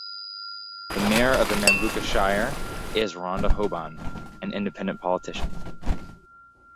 The Mayor of the Nambucca Shire is Rhonda Hoban, an independent politician.